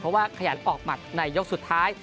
เพราะว่าขยันออกหมัดในยกสุดท้าย